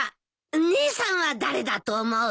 姉さんは誰だと思う？